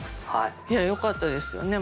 いやよかったですよね？